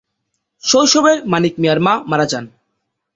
শৈশবেই মানিক মিয়ার মা মারা যান।